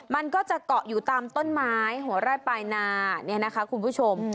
มันก็จะเกาะอยู่ตามต้นไม้หัวไร่ปลายนาเนี่ยนะคะคุณผู้ชม